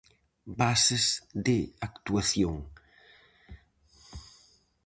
Bases de actuación.